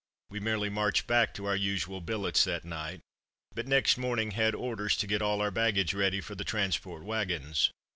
We merely marched back to our usual billets that night, but next morning had orders to get all our baggage ready for the transport wagons.